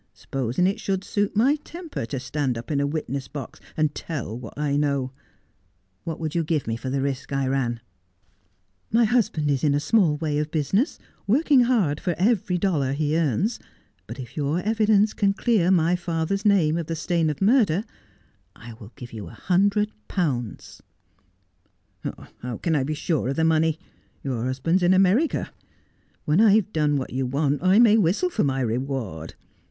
Supposin' it should suit my temper to stand up in a witness box and tell what I know — what would you give me for the risk I ran 1 '' My husband is in a small way of business, working hard for every dollar he earns ; but if your evidence can clear my fathers name of the stain of murder I will give you a hundred pounds.' ' How can I be sure of the money ? Your husband's in America. When I've done what you want I may whistle for mv reward.